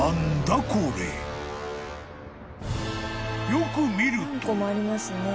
［よく見ると］